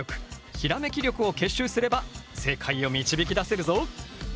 ひらめき力を結集すれば正解を導き出せるぞ。